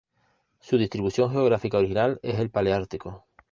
Su distribución geográfica original es el paleártico.